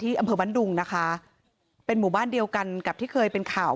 อำเภอบ้านดุงนะคะเป็นหมู่บ้านเดียวกันกับที่เคยเป็นข่าว